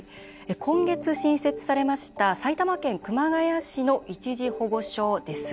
今月、新設されました埼玉県熊谷市の一時保護所です。